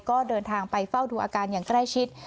ก็เดินทางไปเฝ้าดูอาการอย่างใกล้ชิด